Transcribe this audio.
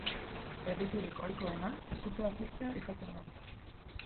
Erriturik ohikoena sutea piztea izaten da.